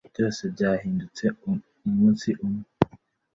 Byose byahindutse umunsi umwe